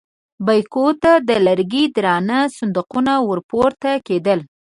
بګيو ته د لرګي درانه صندوقونه ور پورته کېدل.